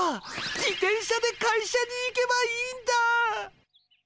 自転車で会社に行けばいいんだ！